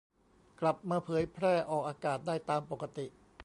กลับมาเผยแพร่ออกอากาศได้ตามปกติ